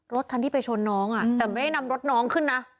รถคันที่ไปชนน้องแต่ไม่ได้นำรถน้องขึ้นนะ